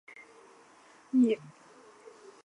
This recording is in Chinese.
后出任凤翔府知府。